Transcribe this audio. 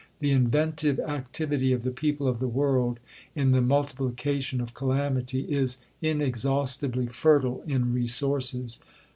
The inventive activity of the people of the world, in the multiplication of calamity, is inexhaustibly fertile in resources.